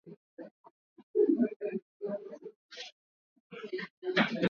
Ugonjwa huu hujitokeza wakati wa misimu ya mvua